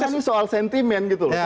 karena ini soal sentimen gitu